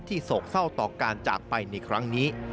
โศกเศร้าต่อการจากไปในครั้งนี้